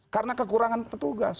karena kekurangan petugas